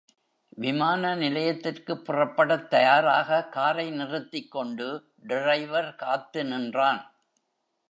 விமான நிலையத்திற்கு புறப்படத் தயாராக காரை நிறுத்திக் கொண்டு டிரைவர் காத்து நின்றான்.